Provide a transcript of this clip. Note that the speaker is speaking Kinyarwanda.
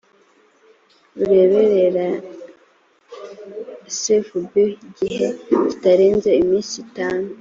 ureberera sfb mu gihe kitarenze iminsi itanu